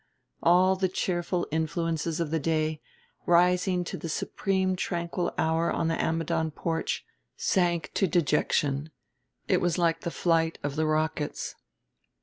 All the cheerful influences of the day, rising to the supreme tranquil hour on the Ammidon porch, sank to dejection; it was like the flight of the rockets.